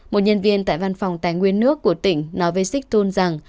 một nhân viên tại văn phòng tài nguyên nước của tỉnh nói với xích thôn rằng